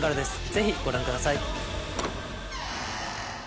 ぜひご覧ください。